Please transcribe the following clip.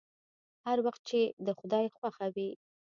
هر وخت چې د خداى خوښه وي.